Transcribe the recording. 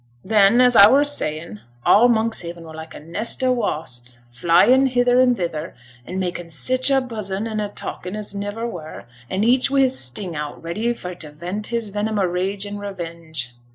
'Then, as a were saying, all Monkshaven were like a nest o' wasps, flyin' hither and thither, and makin' sich a buzzin' and a talkin' as niver were; and each wi' his sting out, ready for t' vent his venom o' rage and revenge.